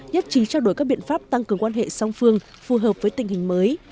nhất trí trao đổi các biện pháp tăng cường quan hệ song phương phù hợp với tình hình mới